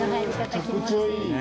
めちゃくちゃいい。